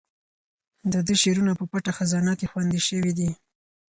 د ده شعرونه په پټه خزانه کې خوندي شوي دي.